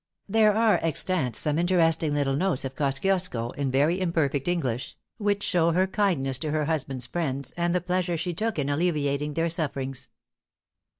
There are extant some interesting little notes of Kosciusko, in very imperfect English, Which show her kindness to her husband's friends, and the pleasure she took in alleviating their sufferings.